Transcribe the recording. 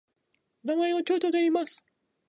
名前をテョといいます。